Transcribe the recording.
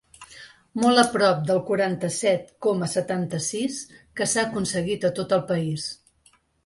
Molt a prop del quaranta-set coma setanta-sis que s’ha aconseguit a tot el país.